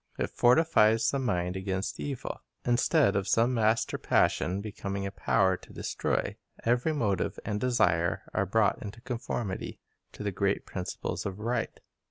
It fortifies the mind against evil. Instead of some master passion becoming a power to destroy, every motive and desire are brought into conformity to the great principles of right.